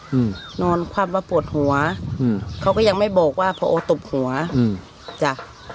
อืมนอนคว่ำว่าปวดหัวอืมเขาก็ยังไม่บอกว่าพอโอตบหัวอืมจ้ะ